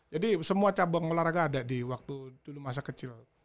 jadi semua cabang olahraga ada di waktu dulu masa kecil